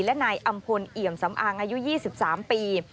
และนายอำพลเอี่ยมสำอางอายุ๒๓ปี